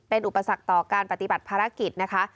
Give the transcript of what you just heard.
เป็นอุปสรรคต่อการปฏิบัติภารกิจนะคะ